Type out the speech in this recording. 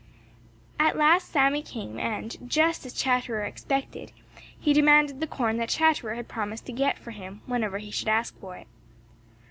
At last Sammy came, and just as Chatterer expected, he demanded the corn that Chatterer had promised to get for him whenever he should ask for it.